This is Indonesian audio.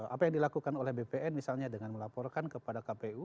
apa yang dilakukan oleh bpn misalnya dengan melaporkan kepada kpu